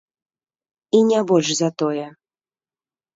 І не больш за тое.